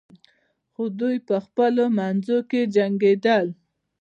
خو دوی په خپلو منځو کې جنګیدل.